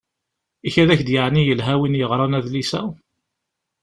Ikad-ak-d yeεni yelha win yeɣran adlis-a?